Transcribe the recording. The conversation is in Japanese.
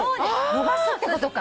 のばすってことか。